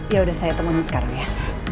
ya udah saya temuin sekarang ya